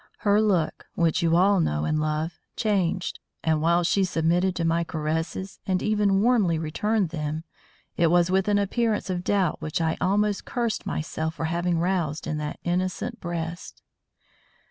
Her look, which you all know and love, changed, and, while she submitted to my caresses and even warmly returned them, it was with an appearance of doubt which I almost cursed myself for having roused in that innocent breast.